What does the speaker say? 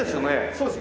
そうです。